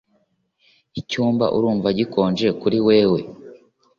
Icyumba urumva gikonje kuri wewe